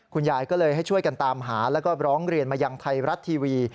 คุณยายก็เลยให้ช่วยกันตามหาแล้วก็ร้องเรียนมายังไทยรัฐทีวี